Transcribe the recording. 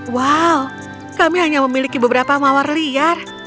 wow kami hanya memiliki beberapa mawar liar